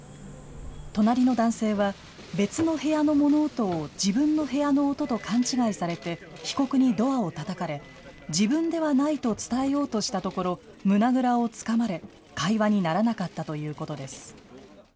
隣の男性は別の部屋の物音を自分の部屋の音と勘違いされて被告にドアをたたかれ自分ではないと伝えようとしたところ胸倉をつかまれ、会話にならなかったということです。